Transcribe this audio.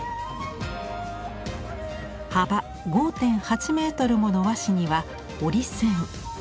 幅５．８メートルもの和紙には折り線。